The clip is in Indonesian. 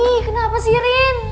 ih kenapa sih rin